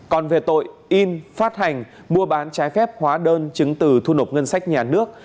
còn về tội in phát hành mua bán trái phép hóa đơn chứng từ thu nộp ngân sách nhà nước